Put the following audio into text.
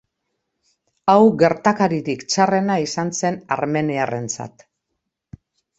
Hau gertakaririk txarrena izan zen armeniarrentzat.